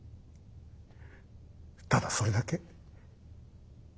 ただそれだけ。